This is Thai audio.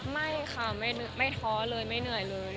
ไม่ค่ะไม่ท้อเลยไม่เหนื่อยเลย